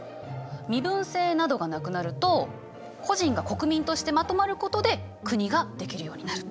身分制などがなくなると個人が国民としてまとまることで国ができるようになる。